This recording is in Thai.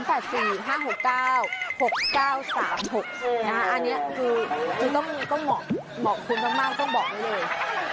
อันนี้ต้องมองหมอกคุณมากต้องบอกไว้เลย